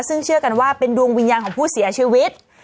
ซึ่งเชื่อกันว่าเป็นดวงวิญญาณของผู้เสียชีวิต